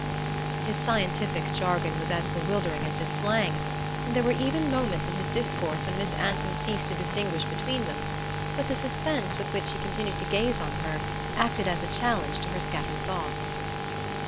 His scientific jargon was as bewildering as his slang; and there were even moments in his discourse when Miss Anson ceased to distinguish between them; but the suspense with which he continued to gaze on her acted as a challenge to her scattered thoughts.